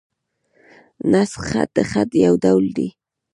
نسخ خط؛ د خط یو ډول دﺉ.